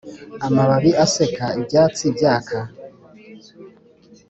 amababi aseka, ibyatsi byaka